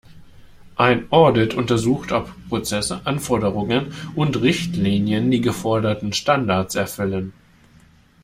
Ein Audit untersucht, ob Prozesse, Anforderungen und Richtlinien die geforderten Standards erfüllen.